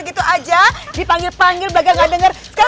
bisa gak bisa panggil aja sebelah situ